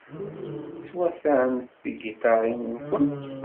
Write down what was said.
Teswatamt tigiṭarin-nwent.